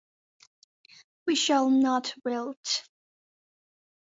We shall not wilt.